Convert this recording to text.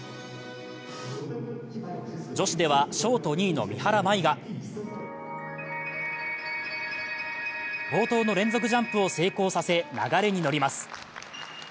女子ではショート２位の三原舞衣が冒頭の連続ジャンプを成功させ流れに乗ります。